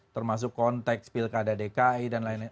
termasuk konteks pilkada dki dan lain lain